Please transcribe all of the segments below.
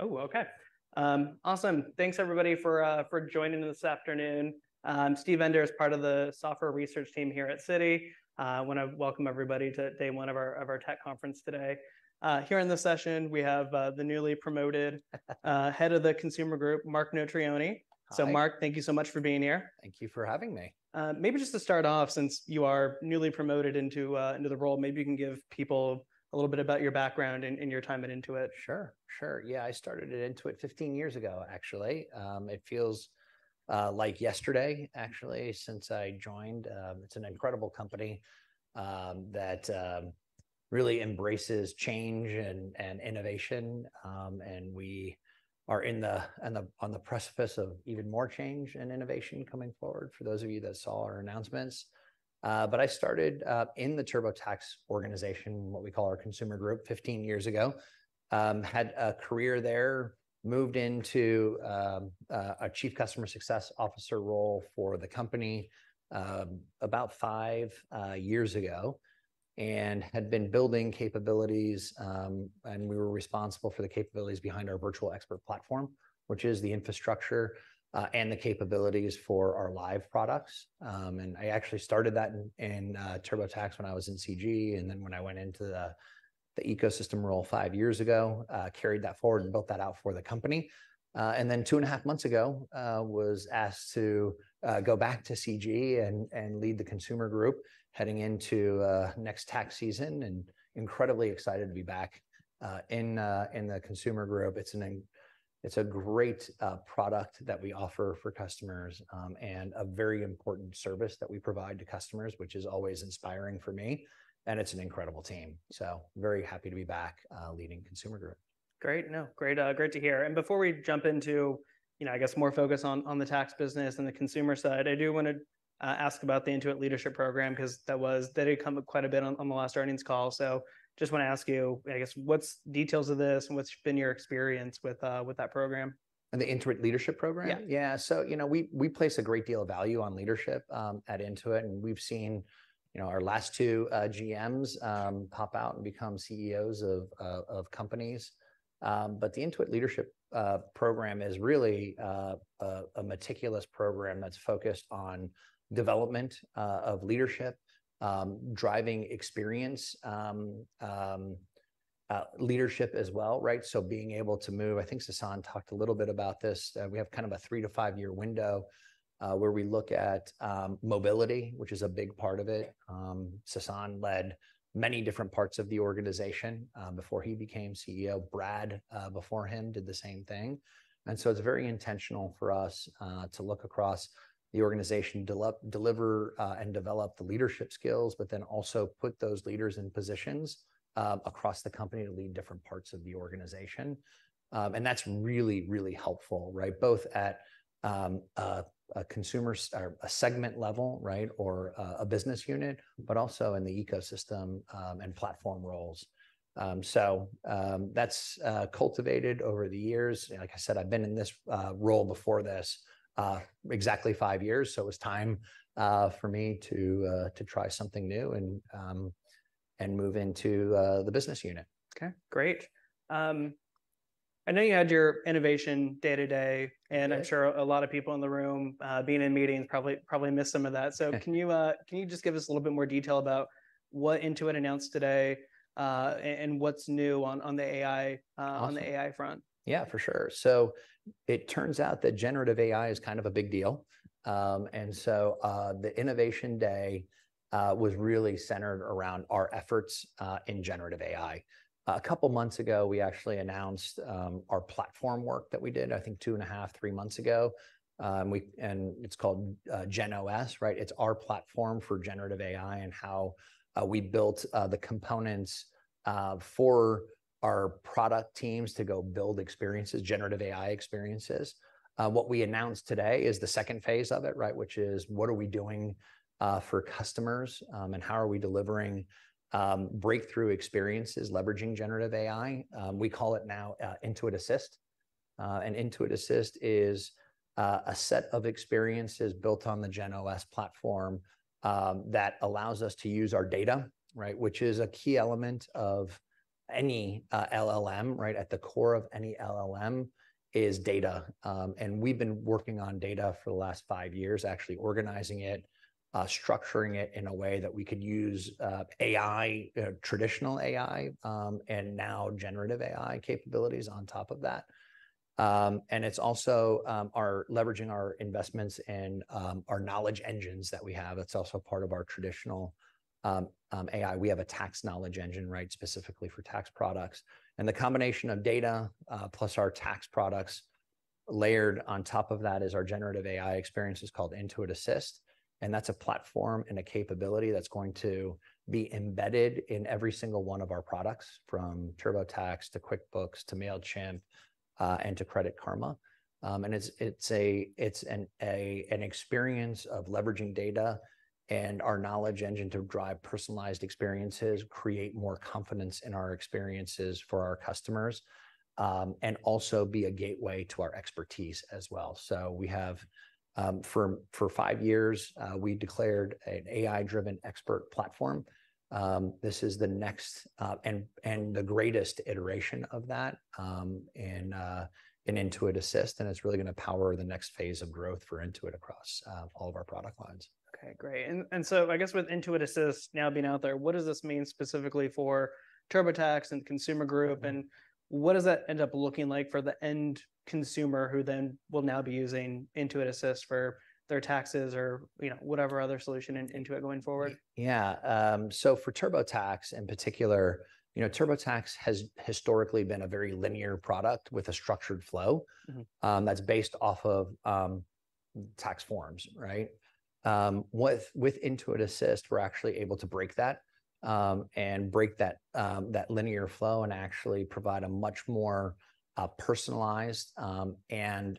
Oh, okay. Awesome. Thanks, everybody, for joining this afternoon. Steve Enders as part of the software research team here at Citi. I wanna welcome everybody to day one of our tech conference today. Here in this session, we have the newly promoted Head of the Consumer Group, Mark Notarainni. Hi. Mark, thank you so much for being here. Thank you for having me. Maybe just to start off, since you are newly promoted into the role, maybe you can give people a little bit about your background and your time at Intuit. Sure, sure. Yeah, I started at Intuit 15 years ago, actually. It feels like yesterday, actually, since I joined. It's an incredible company that really embraces change and innovation, and we are on the precipice of even more change and innovation coming forward, for those of you that saw our announcements. But I started in the TurboTax organization, what we call our Consumer Group, 15 years ago. Had a career there, moved into a chief customer success officer role for the company about five years ago, and had been building capabilities, and we were responsible for the capabilities behind our Virtual Expert Platform, which is the infrastructure and the capabilities for our Live products. And I actually started that in TurboTax when I was in CG, and then when I went into the ecosystem role five years ago, carried that forward and built that out for the company. And then two and a half months ago, was asked to go back to CG and lead the Consumer Group, heading into next tax season, and incredibly excited to be back in the Consumer Group. It's a great product that we offer for customers, and a very important service that we provide to customers, which is always inspiring for me, and it's an incredible team. So very happy to be back leading Consumer Group. Great. No, great, great to hear. And before we jump into, you know, I guess, more focus on, on the tax business and the consumer side, I do wanna ask about the Intuit Leadership Program, 'cause that was- that did come up quite a bit on, on the last earnings call. So just wanna ask you, I guess, what's details of this, and what's been your experience with, with that program? The Intuit Leadership Program? Yeah. Yeah. So, you know, we place a great deal of value on leadership at Intuit, and we've seen, you know, our last two GMs pop out and become CEOs of companies. But the Intuit Leadership Program is really a meticulous program that's focused on development of leadership, driving experience, leadership as well, right? So being able to move... I think Sasan talked a little bit about this. We have kind of a three to five-year window where we look at mobility, which is a big part of it. Sasan led many different parts of the organization before he became CEO. Brad, before him, did the same thing. And so it's very intentional for us to look across the organization, deliver and develop the leadership skills, but then also put those leaders in positions across the company to lead different parts of the organization. And that's really, really helpful, right? Both at a consumer or a segment level, right, or a business unit, but also in the ecosystem and platform roles. So that's cultivated over the years. Like I said, I've been in this role before this exactly five years, so it was time for me to try something new and move into the business unit. Okay, great. I know you had your Innovation Day today Right... and I'm sure a lot of people in the room, being in meetings, probably missed some of that. Yeah. So, can you just give us a little bit more detail about what Intuit announced today, and what's new on the AI? Awesome... on the AI front? Yeah, for sure. So it turns out that generative AI is kind of a big deal. And so, the Innovation Day was really centered around our efforts in generative AI. A couple months ago, we actually announced our platform work that we did, I think two and a half, three months ago. And it's called GenOS, right? It's our platform for generative AI and how we built the components for our product teams to go build experiences, generative AI experiences. What we announced today is the second phase of it, right? Which is, what are we doing for customers, and how are we delivering breakthrough experiences, leveraging generative AI? We call it now Intuit Assist. And Intuit Assist is a set of experiences built on the GenOS platform that allows us to use our data, right, which is a key element of any LLM, right? At the core of any LLM is data. And we've been working on data for the last five years, actually organizing it, structuring it in a way that we could use AI, traditional AI, and now generative AI capabilities on top of that. And it's also leveraging our investments in our knowledge engines that we have. That's also part of our traditional AI. We have a Tax Knowledge Engine, right, specifically for tax products. And the combination of data plus our tax products layered on top of that is our generative AI experience. It's called Intuit Assist, and that's a platform and a capability that's going to be embedded in every single one of our products from TurboTax, to QuickBooks, to Mailchimp, and to Credit Karma. And it's an experience of leveraging data and our knowledge engine to drive personalized experiences, create more confidence in our experiences for our customers, and also be a gateway to our expertise as well. So we have, for five years, we declared an AI-driven expert platform. This is the next and the greatest iteration of that, in Intuit Assist, and it's really gonna power the next phase of growth for Intuit across all of our product lines. Okay, great. And so I guess with Intuit Assist now being out there, what does this mean specifically for TurboTax and Consumer Group? Mm-hmm. What does that end up looking like for the end consumer, who then will now be using Intuit Assist for their taxes or, you know, whatever other solution in Intuit going forward? Yeah. For TurboTax in particular, you know, TurboTax has historically been a very linear product with a structured flow- Mm-hmm... that's based off of, tax forms, right? With Intuit Assist, we're actually able to break that, and break that, that linear flow and actually provide a much more, personalized, and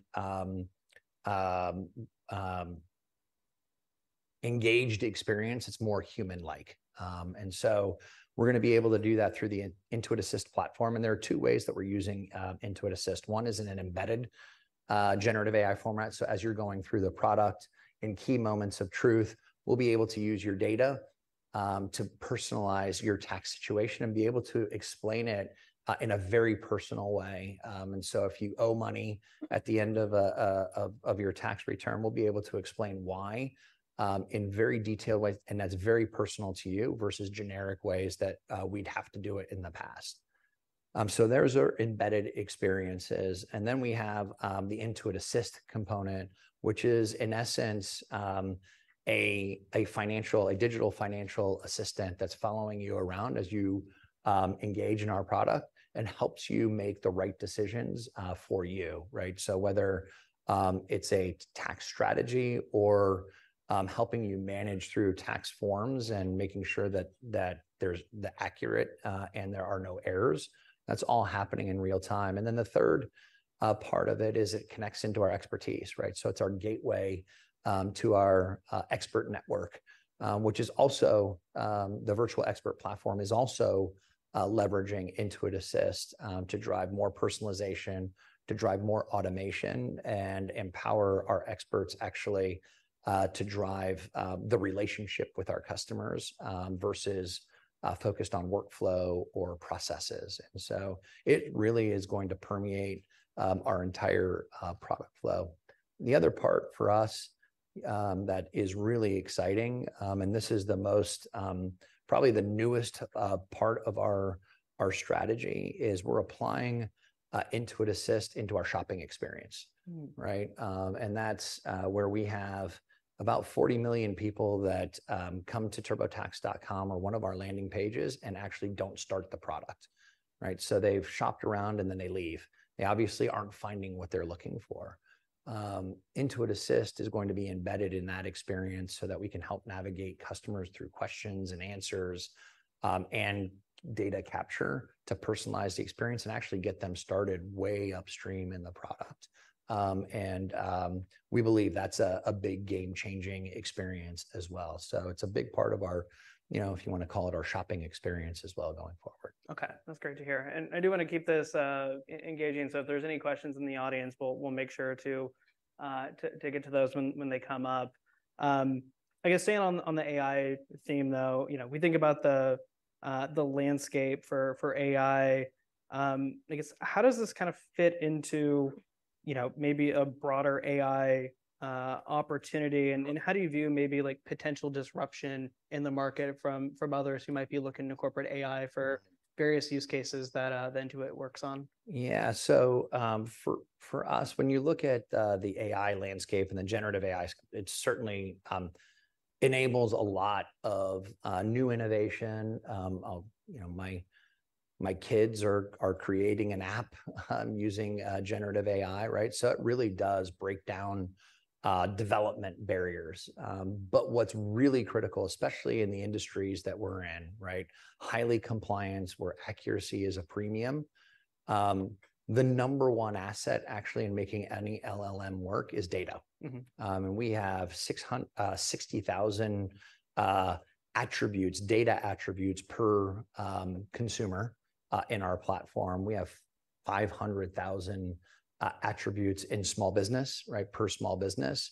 engaged experience. It's more human-like. And so we're gonna be able to do that through the Intuit Assist platform, and there are two ways that we're using Intuit Assist. One is in an embedded, generative AI format. So as you're going through the product, in key moments of truth, we'll be able to use your data, to personalize your tax situation and be able to explain it, in a very personal way. And so if you owe money at the end of your tax return, we'll be able to explain why in very detailed ways, and that's very personal to you, versus generic ways that we'd have to do it in the past. So those are embedded experiences. And then we have the Intuit Assist component, which is, in essence, a digital financial assistant that's following you around as you engage in our product and helps you make the right decisions for you, right? So whether it's a tax strategy or helping you manage through tax forms and making sure that it's accurate and there are no errors, that's all happening in real time. And then the third part of it is it connects into our expertise, right? So it's our gateway to our expert network, which is also the Virtual Expert Platform, is also leveraging Intuit Assist to drive more personalization, to drive more automation, and empower our experts, actually, to drive the relationship with our customers versus focused on workflow or processes. And so it really is going to permeate our entire product flow. The other part for us that is really exciting, and this is the most probably the newest part of our strategy, is we're applying Intuit Assist into our shopping experience. Mm. Right? And that's where we have about 40 million people that come to TurboTax.com or one of our landing pages and actually don't start the product, right? So they've shopped around, and then they leave. They obviously aren't finding what they're looking for. Intuit Assist is going to be embedded in that experience so that we can help navigate customers through questions and answers, and data capture to personalize the experience and actually get them started way upstream in the product. And we believe that's a big game-changing experience as well, so it's a big part of our, you know, if you wanna call it our shopping experience as well going forward. Okay, that's great to hear. And I do wanna keep this engaging, so if there's any questions in the audience, we'll make sure to get to those when they come up. I guess staying on the AI theme, though, you know, we think about the landscape for AI. I guess, how does this kind of fit into, you know, maybe a broader AI opportunity? Mm. How do you view maybe, like, potential disruption in the market from others who might be looking to incorporate AI for- Mm... various use cases that Intuit works on? Yeah. So, for us, when you look at the AI landscape and the generative AI, it certainly enables a lot of new innovation. You know, my kids are creating an app using generative AI, right? So it really does break down development barriers. But what's really critical, especially in the industries that we're in, right, highly compliance, where accuracy is a premium, the number one asset actually in making any LLM work is data. Mm-hmm. And we have 60,000 attributes, data attributes, per consumer, in our platform. We have 500,000 attributes in small business, right, per small business.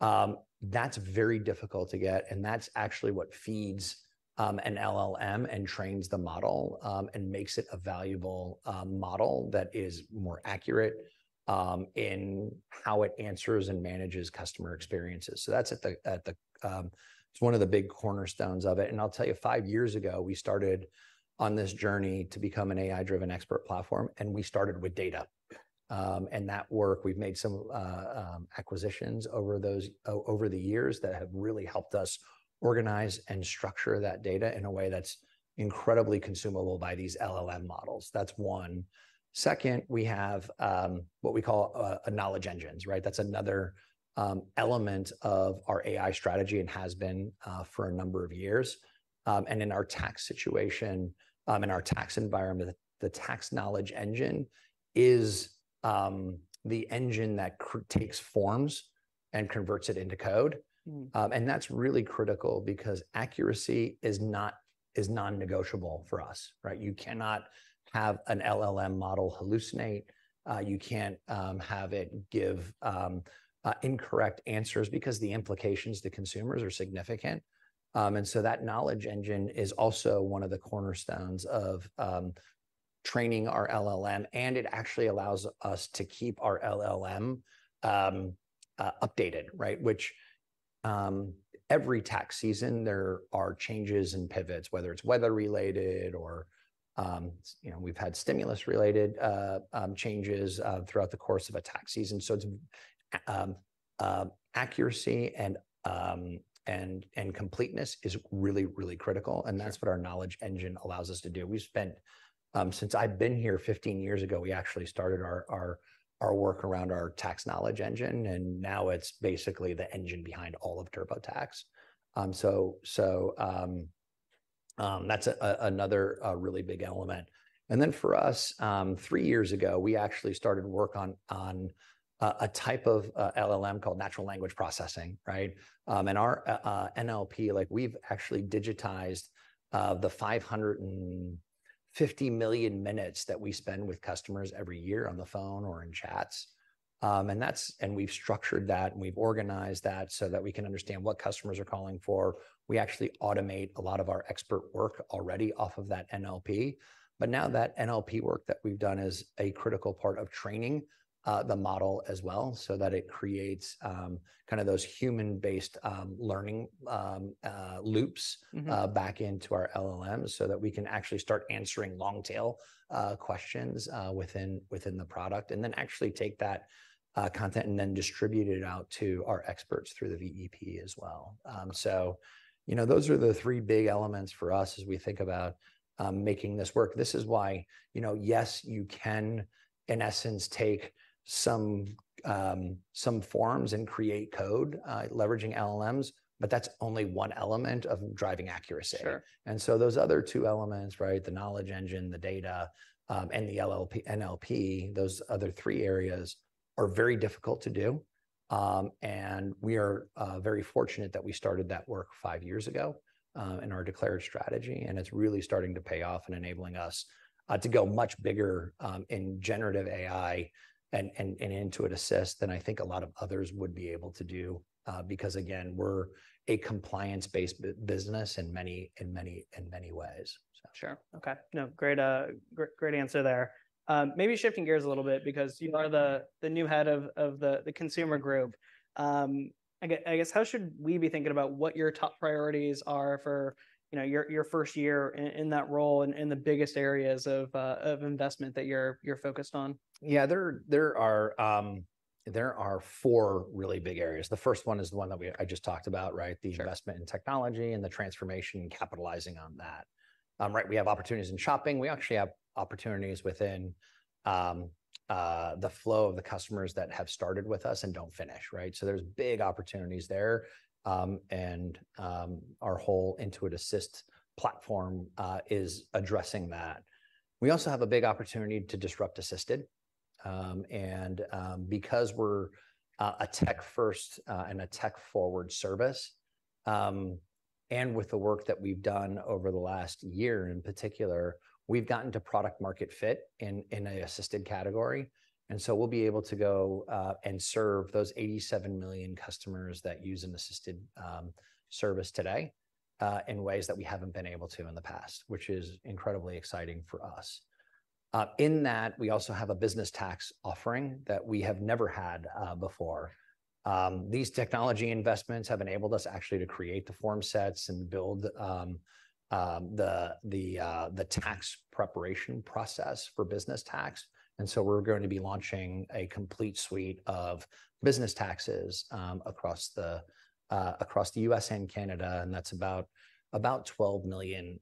That's very difficult to get, and that's actually what feeds, an LLM and trains the model, and makes it a valuable, model that is more accurate, in how it answers and manages customer experiences. So that's at the. It's one of the big cornerstones of it. And I'll tell you, five years ago, we started on this journey to become an AI-driven expert platform, and we started with data. And that work, we've made some, acquisitions over those, over the years, that have really helped us organize and structure that data in a way that's incredibly consumable by these LLM models. That's one. Second, we have what we call a knowledge engine, right? That's another element of our AI strategy and has been for a number of years. In our tax situation, in our tax environment, the Tax Knowledge Engine is the engine that takes forms and converts it into code. Mm. And that's really critical, because accuracy is non-negotiable for us, right? You cannot have an LLM model hallucinate. You can't have it give incorrect answers because the implications to consumers are significant. And so that knowledge engine is also one of the cornerstones of training our LLM, and it actually allows us to keep our LLM updated, right? Which every tax season there are changes and pivots, whether it's weather related or you know, we've had stimulus related changes throughout the course of a tax season. So it's accuracy and completeness is really, really critical- Sure. and that's what our knowledge engine allows us to do. We've spent, since I've been here 15 years ago, we actually started our work around our Tax Knowledge Engine, and now it's basically the engine behind all of TurboTax. That's another really big element. And then for us, three years ago, we actually started work on a type of LLM called natural language processing, right? And our NLP, like we've actually digitized the 550 million minutes that we spend with customers every year on the phone or in chats. And we've structured that, and we've organized that so that we can understand what customers are calling for. We actually automate a lot of our expert work already off of that NLP. But now that NLP work that we've done is a critical part of training the model as well, so that it creates kind of those human-based learning loops. Mm-hmm... back into our LLM, so that we can actually start answering long tail questions within the product, and then actually take that content and distribute it out to our experts through the VEP as well. Mm-hmm. So, you know, those are the three big elements for us as we think about making this work. This is why, you know, yes, you can, in essence, take some forms and create code, leveraging LLMs, but that's only one element of driving accuracy. Sure. And so those other two elements, right? The knowledge engine, the data, and the LLM-NLP, those other three areas are very difficult to do. And we are very fortunate that we started that work five years ago, in our declared strategy, and it's really starting to pay off and enabling us to go much bigger, in generative AI, and, and, and Intuit Assist, than I think a lot of others would be able to do. Because, again, we're a compliance-based business in many, in many, in many ways. So... Sure. Okay. No, great, great answer there. Maybe shifting gears a little bit because you are the new head of the Consumer Group. I guess how should we be thinking about what your top priorities are for, you know, your first year in that role, and the biggest areas of investment that you're focused on? Yeah, there are four really big areas. The first one is the one that we-I just talked about, right? Sure. The investment in technology and the transformation and capitalizing on that. Right, we have opportunities in shopping. We actually have opportunities within the flow of the customers that have started with us and don't finish, right? So there's big opportunities there. And our whole Intuit Assist platform is addressing that. We also have a big opportunity to disrupt assisted. And because we're a tech first and a tech-forward service and with the work that we've done over the last year in particular, we've gotten to product-market fit in a assisted category. And so we'll be able to go and serve those 87 million customers that use an assisted service today, in ways that we haven't been able to in the past, which is incredibly exciting for us. In that, we also have a business tax offering that we have never had before. These technology investments have enabled us actually to create the form sets and build the tax preparation process for business tax. And so we're going to be launching a complete suite of business taxes across the U.S. and Canada, and that's about 12 million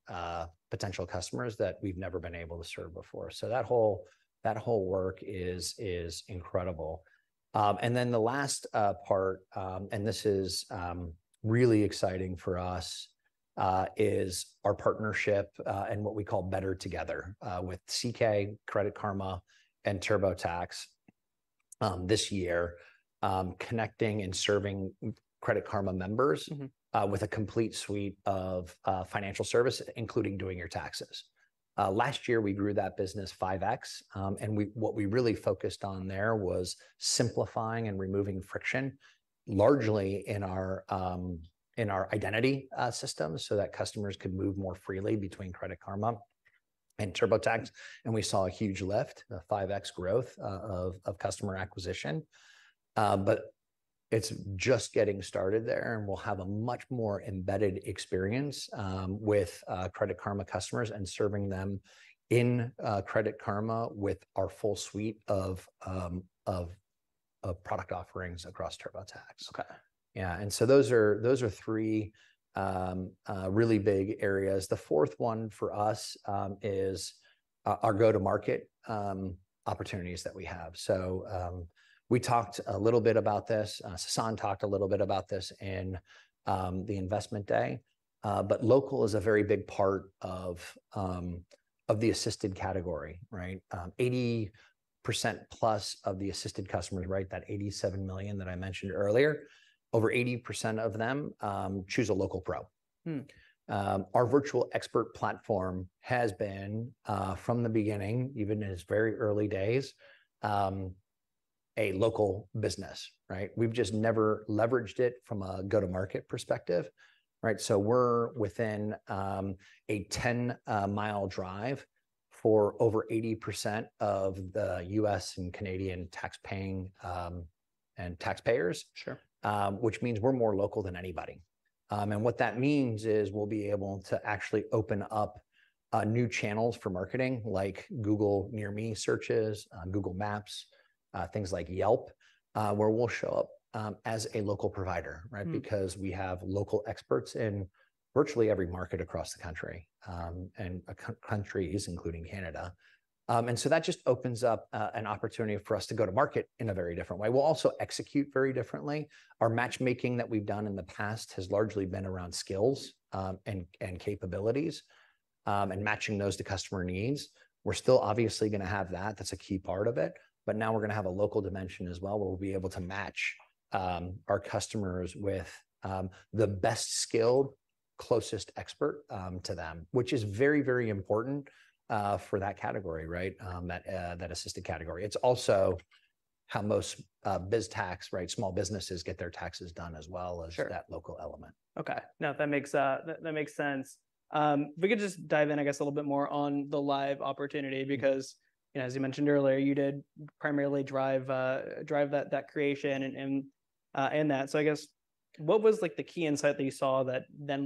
potential customers that we've never been able to serve before. So that whole work is incredible. And then the last part, and this is really exciting for us, is our partnership and what we call Better Together with CK, Credit Karma, and TurboTax this year, connecting and serving Credit Karma members- Mm-hmm... with a complete suite of financial services, including doing your taxes. Last year, we grew that business 5x. And what we really focused on there was simplifying and removing friction, largely in our identity system, so that customers could move more freely between Credit Karma and TurboTax. And we saw a huge lift, a 5x growth, of customer acquisition. But it's just getting started there, and we'll have a much more embedded experience with Credit Karma customers and serving them in Credit Karma with our full suite of product offerings across TurboTax. Okay. Yeah, and so those are, those are three really big areas. The fourth one for us is our, our go-to-market opportunities that we have. So, we talked a little bit about this. Sasan talked a little bit about this in the investment day. But local is a very big part of the assisted category, right? 80%+ of the assisted customers, right? That 87 million that I mentioned earlier, over 80% of them choose a local pro. Hmm. Our Virtual Expert Platform has been, from the beginning, even in its very early days, a local business, right? We've just never leveraged it from a go-to-market perspective, right? So we're within a 10 mi drive for over 80% of the U.S. and Canadian tax-paying and taxpayers. Sure. Which means we're more local than anybody. And what that means is we'll be able to actually open up new channels for marketing, like Google Near Me searches, on Google Maps, things like Yelp, where we'll show up as a local provider, right? Hmm. Because we have local experts in virtually every market across the country and countries, including Canada. And so that just opens up an opportunity for us to go-to-market in a very different way. We'll also execute very differently. Our matchmaking that we've done in the past has largely been around skills and capabilities and matching those to customer needs. We're still obviously gonna have that. That's a key part of it, but now we're gonna have a local dimension as well, where we'll be able to match our customers with the best-skilled, closest expert to them, which is very, very important for that category, right? That assisted category. It's also how most biz tax, right, small businesses get their taxes done, as well as- Sure... that local element. Okay. No, that makes sense. If we could just dive in, I guess, a little bit more on the Live opportunity- Mm-hmm... because, you know, as you mentioned earlier, you did primarily drive that creation and that. So I guess, what was, like, the key insight that you saw that then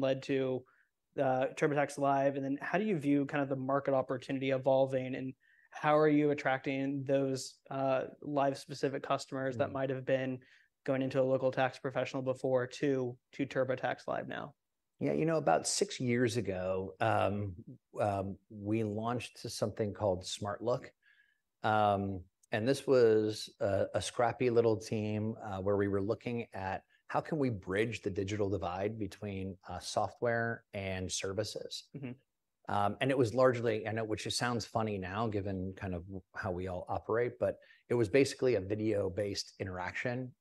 led to TurboTax Live? And then how do you view kind of the market opportunity evolving, and how are you attracting those Live-specific customers- Mm... that might have been going into a local tax professional before to TurboTax Live now? Yeah, you know, about six years ago, we launched something called SmartLook. This was a scrappy little team, where we were looking at, "How can we bridge the digital divide between software and services? Mm-hmm. And it was largely... I know it sounds funny now, given kind of how we all operate, but it was basically a video-based interaction,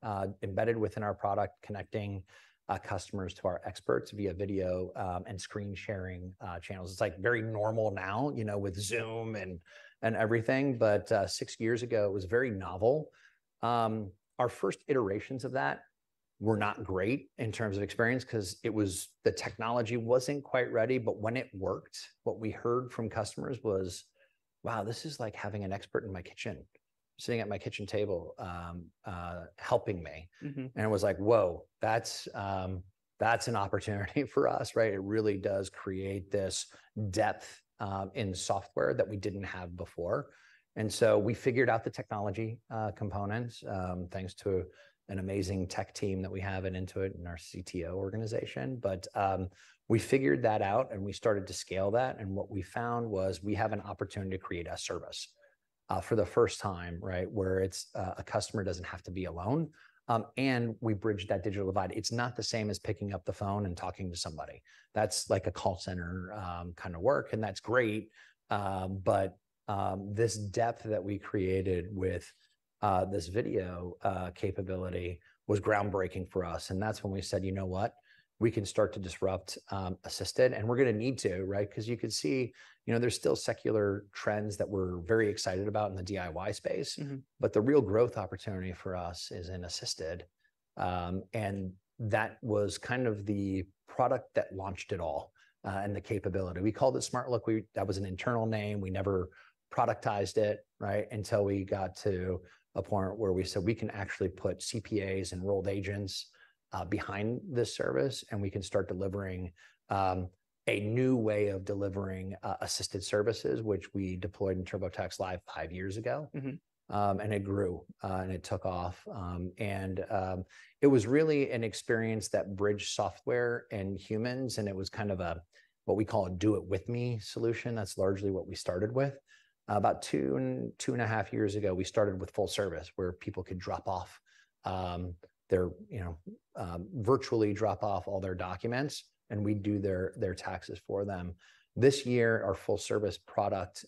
embedded within our product, connecting customers to our experts via video and screen sharing channels. It's, like, very normal now, you know, with Zoom and everything, but six years ago it was very novel. Our first iterations of that were not great in terms of experience, 'cause the technology wasn't quite ready. But when it worked, what we heard from customers was, "Wow, this is like having an expert in my kitchen, sitting at my kitchen table, helping me. Mm-hmm. It was like: Whoa, that's an opportunity for us, right? It really does create this depth in software that we didn't have before. So we figured out the technology components thanks to an amazing tech team that we have at Intuit and our CTO organization. But we figured that out, and we started to scale that, and what we found was we have an opportunity to create a service for the first time, right? Where it's a customer doesn't have to be alone, and we bridged that digital divide. It's not the same as picking up the phone and talking to somebody. That's like a call center, kind of work, and that's great, but, this depth that we created with, this video, capability was groundbreaking for us, and that's when we said, "You know what? We can start to disrupt, assisted, and we're gonna need to," right? 'Cause you could see, you know, there's still secular trends that we're very excited about in the DIY space. Mm-hmm. But the real growth opportunity for us is in assisted. And that was kind of the product that launched it all, and the capability. We called it SmartLook. That was an internal name. We never productized it, right? Until we got to a point where we said, "We can actually put CPAs, enrolled agents, behind this service, and we can start delivering a new way of delivering assisted services," which we deployed in TurboTax Live five years ago. Mm-hmm. And it grew, and it took off. And, it was really an experience that bridged software and humans, and it was kind of a, what we call a do-it-with-me solution. That's largely what we started with. About two, two and a half years ago, we started with Full Service, where people could drop off, their, you know... virtually drop off all their documents, and we'd do their, their taxes for them. This year, our Full Service product,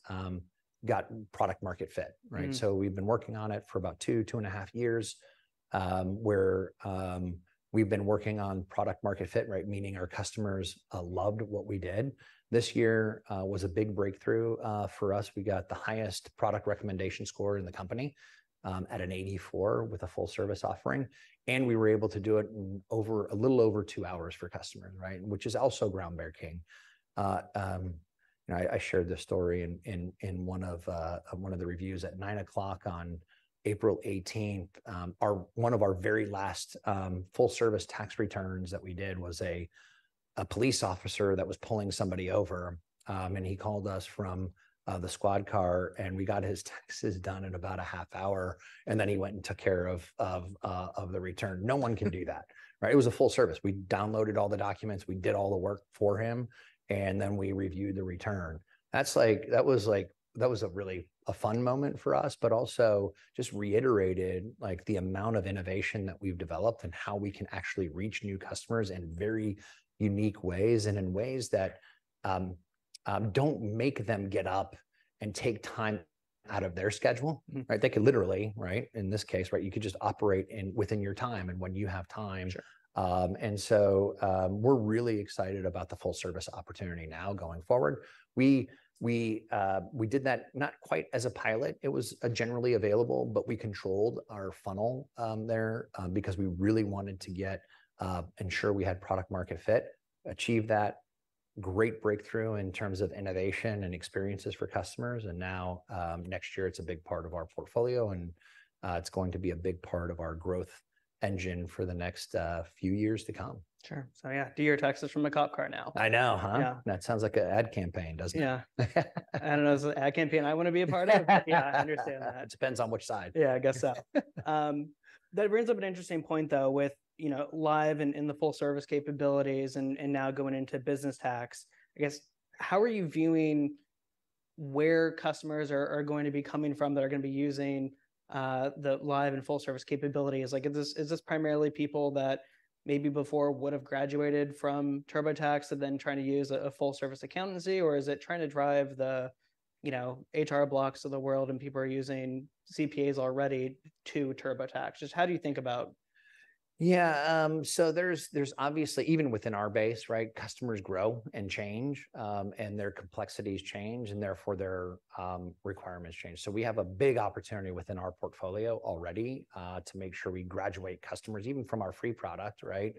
got product/market fit, right? Mm. So we've been working on it for about two, two and a half years. We've been working on product-market fit, right, meaning our customers loved what we did. This year was a big breakthrough for us. We got the highest product recommendation score in the company, at an 84, with a Full Service offering, and we were able to do it in a little over two hours for customers, right? Which is also groundbreaking. You know, I shared this story in one of the reviews. At 9:00 A.M. on April 18th, one of our very last Full Service tax returns that we did was a police officer that was pulling somebody over. And he called us from the squad car, and we got his taxes done in about a half hour, and then he went and took care of the return. No one can do that, right? It was a Full Service. We downloaded all the documents, we did all the work for him, and then we reviewed the return. That's like... That was like, that was a really fun moment for us, but also just reiterated, like, the amount of innovation that we've developed and how we can actually reach new customers in very unique ways, and in ways that don't make them get up and take time out of their schedule. Mm. Right? They could literally, right, in this case, right, you could just operate in, within your time and when you have time. Sure. And so, we're really excited about the Full Service opportunity now going forward. We did that not quite as a pilot. It was generally available, but we controlled our funnel there because we really wanted to get ensure we had product-market fit, achieve that great breakthrough in terms of innovation and experiences for customers, and now next year it's a big part of our portfolio, and it's going to be a big part of our growth engine for the next few years to come. Sure. So yeah, do your taxes from a cop car now. I know, huh? Yeah. That sounds like an ad campaign, doesn't it? Yeah. I don't know, it's an ad campaign I want to be a part of. Yeah, I understand that. It depends on which side. Yeah, I guess so. That brings up an interesting point, though, with, you know, Live and, and the Full Service capabilities and, and now going into Business Tax. I guess, how are you viewing where customers are, are going to be coming from that are going to be using the Live and Full Service capabilities? Like, is this, is this primarily people that maybe before would have graduated from TurboTax and then trying to use a Full Service accountancy, or is it trying to drive the, you know, H&R Block of the world and people are using CPAs already to TurboTax? Just how do you think about- Yeah, so there's obviously, even within our base, right, customers grow and change, and their complexities change, and therefore their requirements change. So we have a big opportunity within our portfolio already, to make sure we graduate customers, even from our free product, right,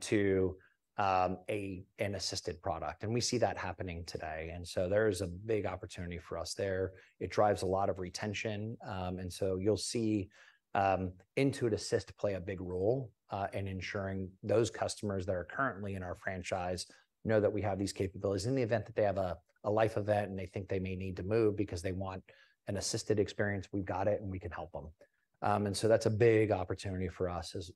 to an assisted product, and we see that happening today. And so there's a big opportunity for us there. It drives a lot of retention. And so you'll see, Intuit Assist play a big role, in ensuring those customers that are currently in our franchise know that we have these capabilities. In the event that they have a life event, and they think they may need to move because they want an assisted experience, we've got it, and we can help them. And so that's a big opportunity for us as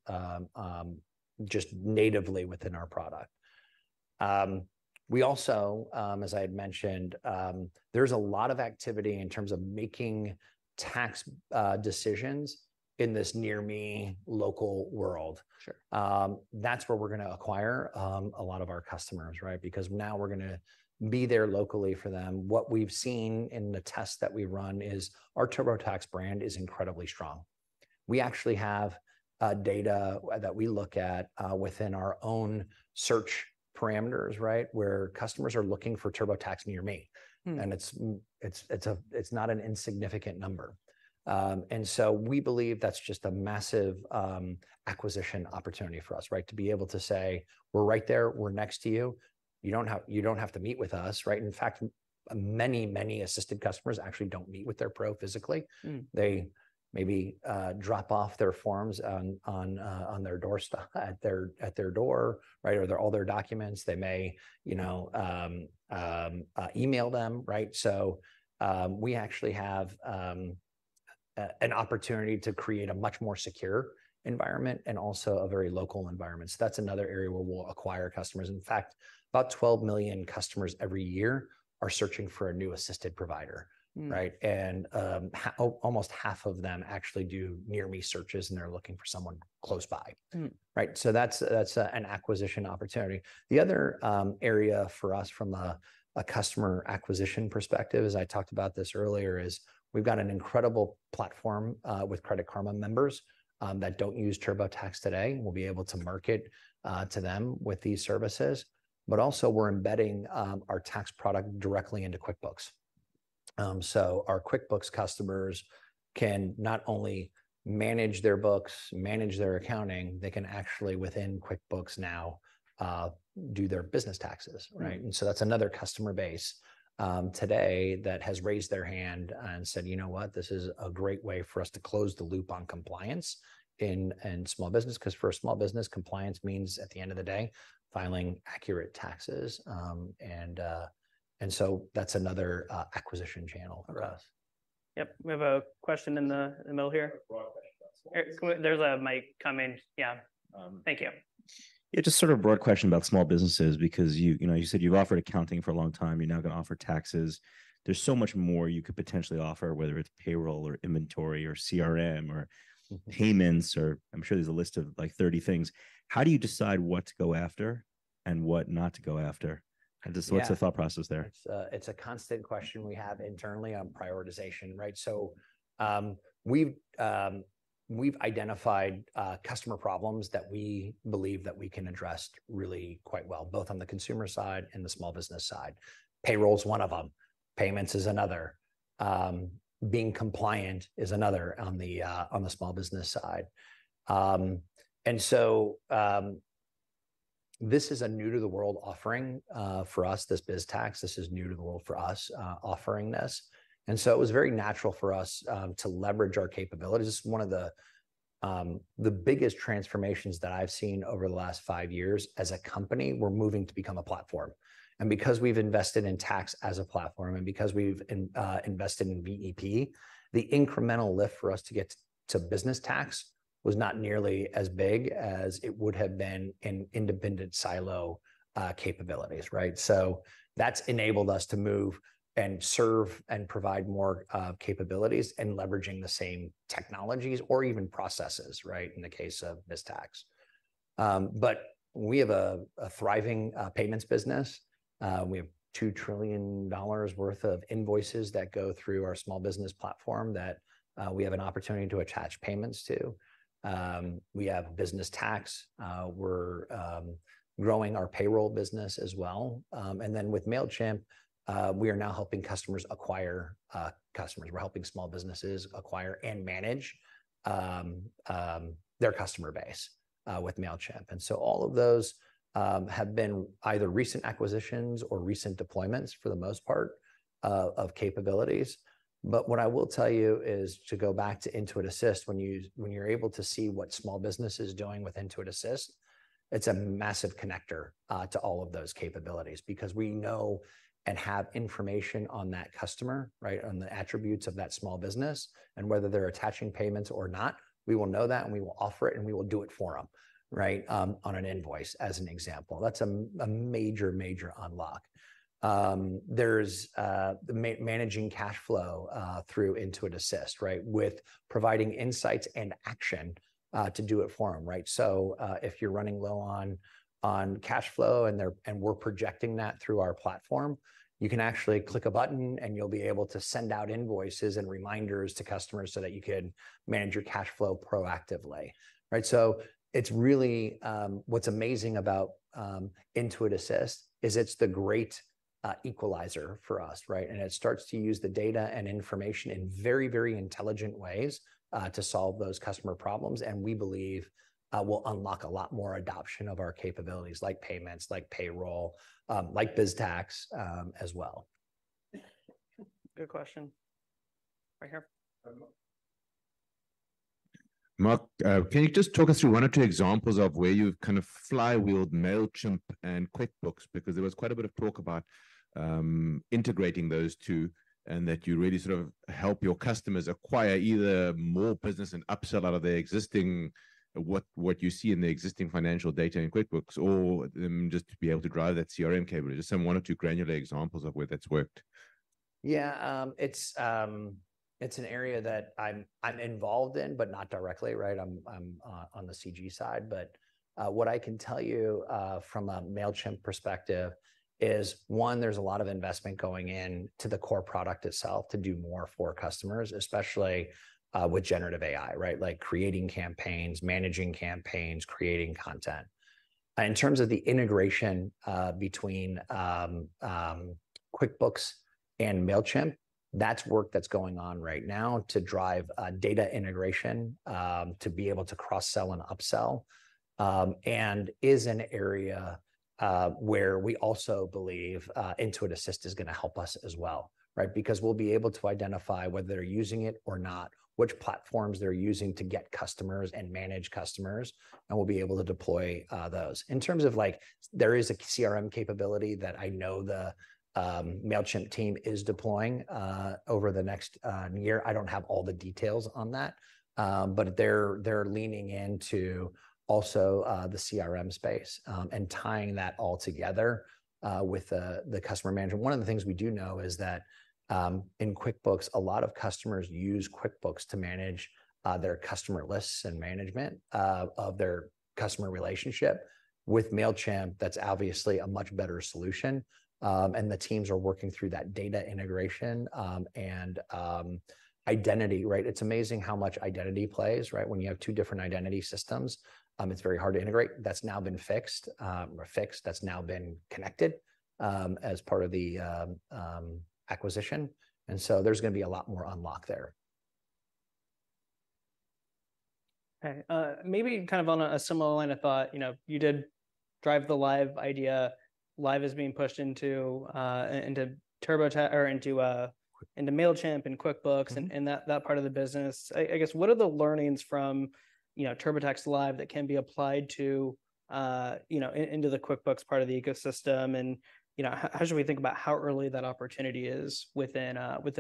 just natively within our product. We also, as I had mentioned, there's a lot of activity in terms of making tax decisions in this near me local world. Sure. That's where we're gonna acquire a lot of our customers, right? Because now we're gonna be there locally for them. What we've seen in the tests that we run is our TurboTax brand is incredibly strong. We actually have data that we look at within our own search parameters, right, where customers are looking for TurboTax near me. Mm. And it's not an insignificant number. And so we believe that's just a massive acquisition opportunity for us, right? To be able to say, "We're right there. We're next to you. You don't have to meet with us," right? In fact, many, many assisted customers actually don't meet with their pro physically. Mm. They maybe drop off their forms on their doorstep, at their door, right? Or, all their documents, they may, you know, email them, right? So, we actually have an opportunity to create a much more secure environment and also a very local environment. So that's another area where we'll acquire customers. In fact, about 12 million customers every year are searching for a new assisted provider. Mm. Right? And almost half of them actually do near me searches, and they're looking for someone close by. Mm. Right? So that's, that's a, an acquisition opportunity. The other, area for us from a, a customer acquisition perspective, as I talked about this earlier, is we've got an incredible platform, with Credit Karma members, that don't use TurboTax today. We'll be able to market, to them with these services, but also we're embedding, our tax product directly into QuickBooks. So our QuickBooks customers can not only manage their books, manage their accounting, they can actually, within QuickBooks now, do their business taxes. Mm. Right? And so that's another customer base today that has raised their hand and said, "You know what? This is a great way for us to close the loop on compliance in small business," 'cause for a small business, compliance means, at the end of the day, filing accurate taxes. And so that's another acquisition channel for us. Sure. Yep, we have a question in the middle here. A broad question about small- There's a mic coming. Yeah. Um... Thank you. Yeah, just sort of a broad question about small businesses, because you, you know, you said you've offered accounting for a long time. You're now gonna offer taxes. There's so much more you could potentially offer, whether it's payroll, or inventory, or CRM, or- Mm-hmm... payments, or I'm sure there's a list of, like, 30 things. How do you decide what to go after and what not to go after? Yeah. Just what's the thought process there? It's a constant question we have internally on prioritization, right? So, we've identified customer problems that we believe that we can address really quite well, both on the consumer side and the small business side. Payroll's one of them. Payments is another. Being compliant is another on the small business side. And so, this is a new-to-the-world offering for us, this biz tax. This is new to the world for us, offering this, and so it was very natural for us to leverage our capabilities. This is one of the biggest transformations that I've seen over the last five years as a company. We're moving to become a platform. And because we've invested in tax as a platform, and because we've invested in VEP, the incremental lift for us to get to business tax was not nearly as big as it would have been in independent silo capabilities, right? So that's enabled us to move and serve and provide more capabilities and leveraging the same technologies or even processes, right, in the case of biz tax. But we have a thriving payments business. We have $2 trillion worth of invoices that go through our small business platform that we have an opportunity to attach payments to. We have business tax. We're growing our payroll business as well. And then with Mailchimp, we are now helping customers acquire customers. We're helping small businesses acquire and manage their customer base with Mailchimp. And so all of those have been either recent acquisitions or recent deployments for the most part of capabilities. But what I will tell you is to go back to Intuit Assist, when you, when you're able to see what small business is doing with Intuit Assist, it's a massive connector to all of those capabilities because we know and have information on that customer, right? On the attributes of that small business, and whether they're attaching payments or not, we will know that, and we will offer it, and we will do it for them, right? On an invoice, as an example. That's a major, major unlock. There's the managing cash flow through Intuit Assist, right? With providing insights and action to do it for them, right? So if you're running low on cash flow, and we're projecting that through our platform, you can actually click a button, and you'll be able to send out invoices and reminders to customers so that you can manage your cash flow proactively, right? So it's really... What's amazing about Intuit Assist is it's the great equalizer for us, right? And it starts to use the data and information in very, very intelligent ways to solve those customer problems, and we believe will unlock a lot more adoption of our capabilities, like payments, like payroll, like biz tax, as well. Good question. Right here. Mark, can you just talk us through one or two examples of where you've kind of fly-wheeled Mailchimp and QuickBooks? Because there was quite a bit of talk about, integrating those two and that you really sort of help your customers acquire either more business and upsell out of their existing... what you see in the existing financial data in QuickBooks or, just to be able to drive that CRM capability. Just some one or two granular examples of where that's worked. Yeah, it's an area that I'm involved in, but not directly, right? I'm on the CG side. But what I can tell you from a Mailchimp perspective is, one, there's a lot of investment going into the core product itself to do more for customers, especially with generative AI, right? Like creating campaigns, managing campaigns, creating content. In terms of the integration between QuickBooks and Mailchimp, that's work that's going on right now to drive data integration to be able to cross-sell and upsell, and is an area where we also believe Intuit Assist is gonna help us as well, right? Because we'll be able to identify whether they're using it or not, which platforms they're using to get customers and manage customers, and we'll be able to deploy those. In terms of, like, there is a CRM capability that I know the Mailchimp team is deploying over the next year. I don't have all the details on that, but they're leaning into also the CRM space and tying that all together with the customer management. One of the things we do know is that in QuickBooks, a lot of customers use QuickBooks to manage their customer lists and management of their customer relationship. With Mailchimp, that's obviously a much better solution and the teams are working through that data integration and identity, right? It's amazing how much identity plays, right? When you have two different identity systems, it's very hard to integrate. That's now been fixed. That's now been connected as part of the acquisition, and so there's gonna be a lot more unlock there. Okay, maybe kind of on a similar line of thought, you know, you did drive the Live idea. Live is being pushed into TurboTax or into Mailchimp and QuickBooks and that part of the business. I guess what are the learnings from, you know, TurboTax Live that can be applied to, you know, into the QuickBooks part of the ecosystem, and, you know, how should we think about how early that opportunity is within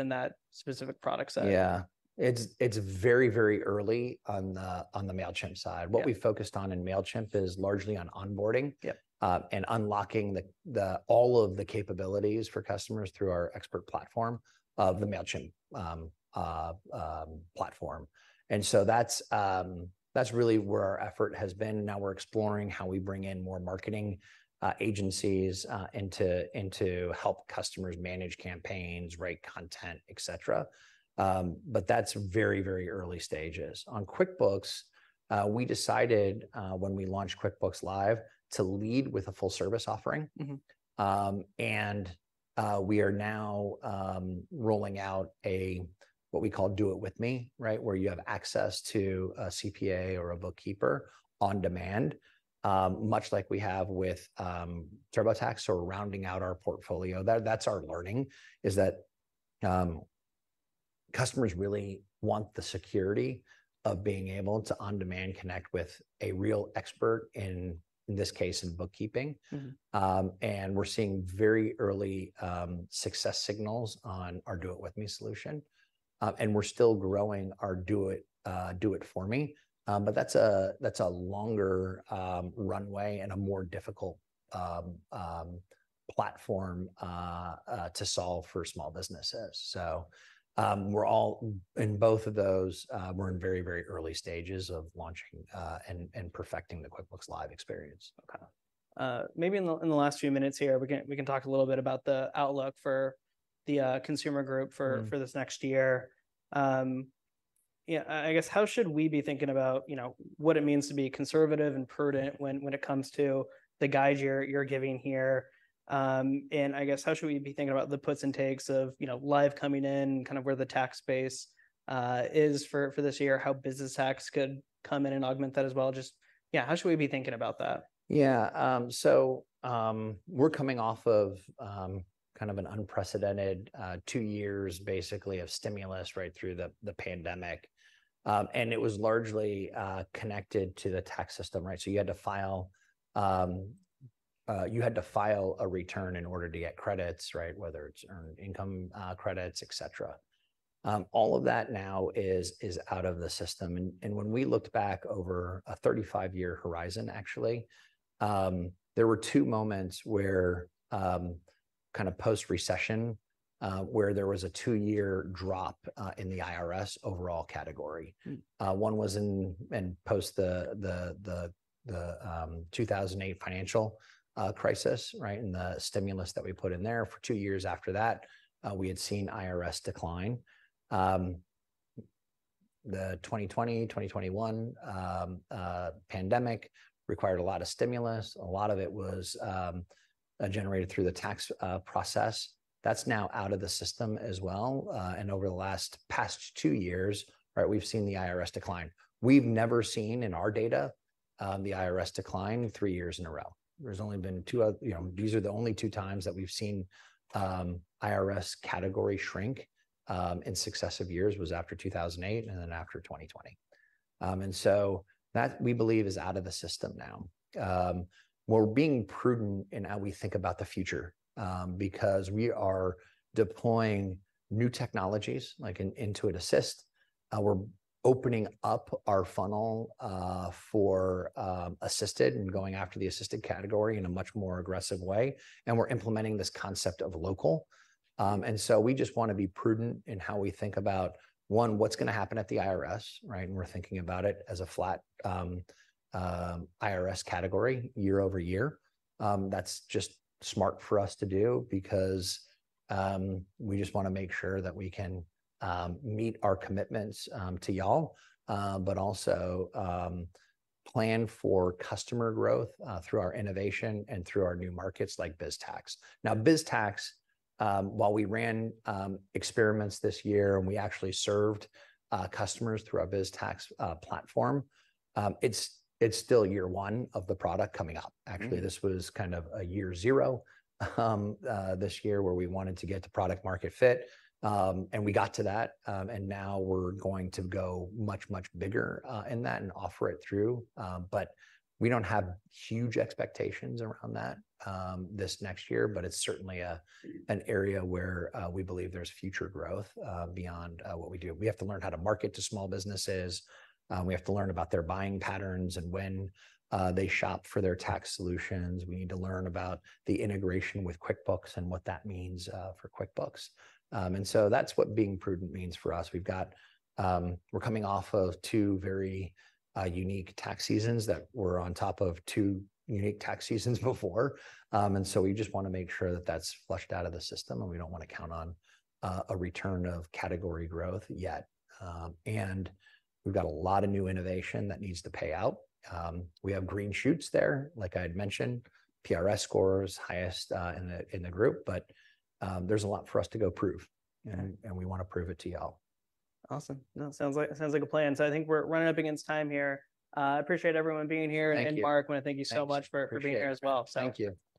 that specific product set? Yeah. It's, it's very, very early on the, on the Mailchimp side. Yeah. What we focused on in Mailchimp is largely on onboarding. Yeah... and unlocking all of the capabilities for customers through our expert platform of the Mailchimp platform. And so that's really where our effort has been, and now we're exploring how we bring in more marketing agencies into help customers manage campaigns, write content, et cetera. But that's very, very early stages. On QuickBooks, we decided, when we launched QuickBooks Live, to lead with a Full Service offering. Mm-hmm. We are now rolling out a, what we call Do It With Me, right? Where you have access to a CPA or a bookkeeper on demand, much like we have with TurboTax, so we're rounding out our portfolio. That's our learning, is that customers really want the security of being able to on-demand connect with a real expert in this case, in bookkeeping. Mm-hmm. And we're seeing very early success signals on our Do It With Me solution, and we're still growing our Do It For Me. But that's a longer runway and a more difficult platform to solve for small businesses. So, we're all in both of those, we're in very, very early stages of launching and perfecting the QuickBooks Live experience. Okay. Maybe in the last few minutes here, we can talk a little bit about the outlook for the Consumer Group for- Mm... for this next year. Yeah, I guess how should we be thinking about, you know, what it means to be conservative and prudent when it comes to the guide you're giving here? And I guess, how should we be thinking about the puts and takes of, you know, Live coming in, kind of where the tax base is for this year, how business tax could come in and augment that as well? Just, yeah, how should we be thinking about that? Yeah, so, we're coming off of, kind of an unprecedented, two years basically of stimulus right through the pandemic. And it was largely connected to the tax system, right? So you had to file, you had to file a return in order to get credits, right? Whether it's earned income, credits, et cetera. All of that now is out of the system, and when we looked back over a 35-year horizon actually, there were two moments where, kind of post-recession, where there was a two-year drop, in the IRS overall category. Mm. One was in post the 2008 financial crisis, right? And the stimulus that we put in there. For two years after that, we had seen IRS decline. The 2020, 2021 pandemic required a lot of stimulus. A lot of it was generated through the tax process. That's now out of the system as well. And over the last past two years, right, we've seen the IRS decline. We've never seen in our data the IRS decline three years in a row. There's only been two other... You know, these are the only two times that we've seen IRS category shrink in successive years, was after 2008 and then after 2020. And so that, we believe, is out of the system now. We're being prudent in how we think about the future, because we are deploying new technologies, like in Intuit Assist. We're opening up our funnel for assisted and going after the assisted category in a much more aggressive way, and we're implementing this concept of local. And so we just wanna be prudent in how we think about, one, what's gonna happen at the IRS, right? And we're thinking about it as a flat IRS category year-over-year. That's just smart for us to do because we just wanna make sure that we can meet our commitments to y'all, but also plan for customer growth through our innovation and through our new markets like biz tax. Now, Biz Tax, while we ran experiments this year, and we actually served customers through our Biz Tax platform, it's still year one of the product coming out. Mm. Actually, this was kind of a year zero, this year, where we wanted to get the product-market fit. And we got to that, and now we're going to go much, much bigger, in that and offer it through, but we don't have huge expectations around that, this next year. But it's certainly an area where, we believe there's future growth, beyond, what we do. We have to learn how to market to small businesses. We have to learn about their buying patterns and when, they shop for their tax solutions. We need to learn about the integration with QuickBooks and what that means, for QuickBooks. And so that's what being prudent means for us. We've got... We're coming off of two very unique tax seasons that were on top of two unique tax seasons before. And so we just wanna make sure that that's flushed out of the system, and we don't wanna count on a return of category growth yet. And we've got a lot of new innovation that needs to pay out. We have green shoots there, like I'd mentioned. PRS score is highest in the group, but there's a lot for us to go prove, and we wanna prove it to y'all. Awesome. No, sounds like, sounds like a plan. So I think we're running up against time here. I appreciate everyone being here. Thank you. Mark, wanna thank you so much- Thanks... for being here as well. Thank you.